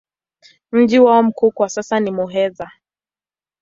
Mji wao mkuu kwa sasa ni Muheza.